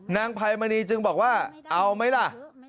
นายภัยมณีจึงบอกว่าเอาไหมล่ะ